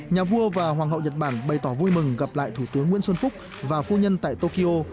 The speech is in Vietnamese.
nhà vua và hoàng hậu nhật bản bày tỏ vui mừng gặp lại thủ tướng nguyễn xuân phúc và phu nhân tại tokyo